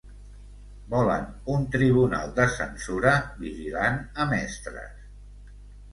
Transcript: Volen un tribunal de censura vigilant a mestres.